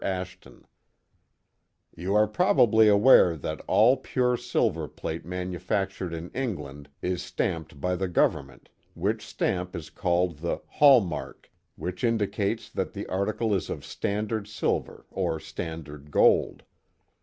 Ashton: You are probably aware that all pure silver plate manufactured in England is stamped by the Government, which stamp is called the " hall mark,'* which indicates that the article is of standard sil ver or standard gold.